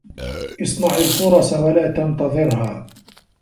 اصنع الفرص ولا تنتظرها